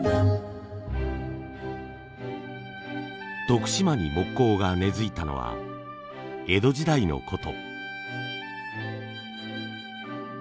徳島に木工が根づいたのは江戸時代の事。